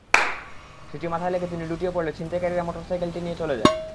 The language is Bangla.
সেটি মাথায় লেগে তিনি লুটিয়ে পড়লে ছিনতাইকারীরা মোটরসাইকেলটি নিয়ে চলে যায়।